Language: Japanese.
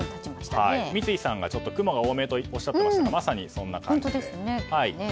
三井さんが、ちょっと雲が多めとおっしゃっていましたがまさに、そんな感じですね。